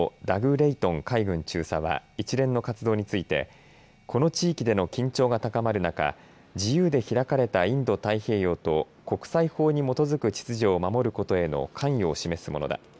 レイトン海軍中佐は一連の活動についてこの地域での緊張が高まる中、自由で開かれたインド太平洋と国際法に基づく秩序を守ることへの関与を示すものだ。